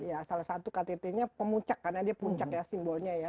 ya salah satu ktt nya pemucak karena dia puncak ya simbolnya ya